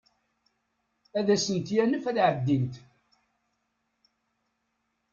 Ad asent-yanef ad ɛeddint.